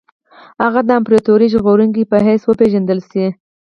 هغه د امپراطوري ژغورونکي په حیث وپېژندل شي.